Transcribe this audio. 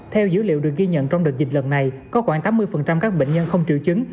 theo dữ liệu được ghi nhận trong đợt dịch lần này có khoảng tám mươi các bệnh nhân không triệu chứng